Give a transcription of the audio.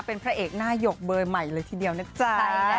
เป็นพระเอกหน้าหยกเบอร์ใหม่เลยทีเดียวนะจ๊ะ